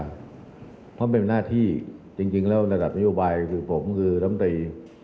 เพราะมันเป็นหน้าที่จริงแล้วในระดับนิวบาลคือผมคือล้ำตี